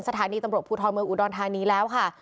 สถานีตำรวจภูทรเมืองอุดรธานีแล้วค่ะ